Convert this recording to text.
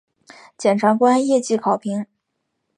检察官业绩考评